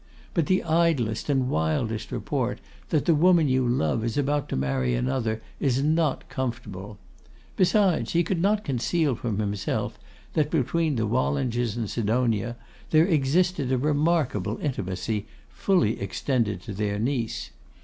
But the idlest and wildest report that the woman you love is about to marry another is not comfortable. Besides, he could not conceal from himself that, between the Wallingers and Sidonia there existed a remarkable intimacy, fully extended to their niece.